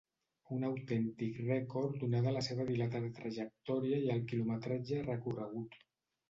Un autèntic rècord donada la seva dilatada trajectòria i el quilometratge recorregut.